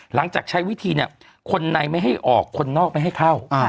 หลังจากใช้วิธีเนี่ยคนในไม่ให้ออกคนนอกไม่ให้เข้า